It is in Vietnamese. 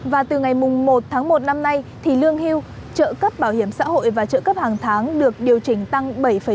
và từ ngày một tháng một năm nay thì lương hưu trợ cấp bảo hiểm xã hội và trợ cấp hàng tháng được điều chỉnh tăng bảy tám